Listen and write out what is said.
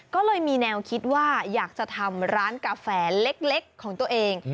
ก็เลยมีแนวคิดว่าอยากจะทำร้านกาแฟเล็กของตัวเอง